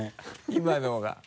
今のが。